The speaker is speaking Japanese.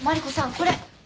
これ。